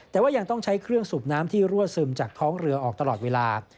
แต่ว่ายังต้องใช้เครื่องสูบน้ำที่รั่วซึมจากท้องเรือออกตลอดเวลา